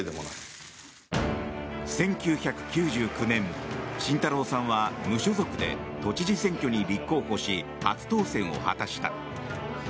１９９９年、慎太郎さんは無所属で都知事選挙に立候補し初当選を果たした。